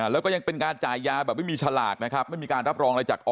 แต่ไม่มีฉลาดนะครับไม่มีการรับรองอะไรจาก